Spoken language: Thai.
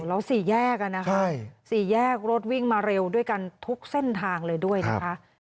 แล้ว๔แยกนะคะสี่แยกรถวิ่งมาเร็วด้วยกันทุกเส้นทางเลยด้วยนะคะ